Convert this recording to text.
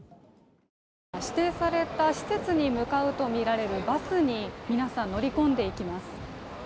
指定された施設に向かうとみられるバスに皆さん乗り込んでいきます。